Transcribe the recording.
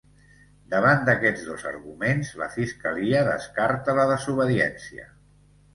Davant d’aquests dos arguments la fiscalia descarta la desobediència.